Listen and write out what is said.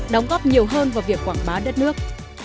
đóng góp nhiều hơn vào việc quảng bá đất nước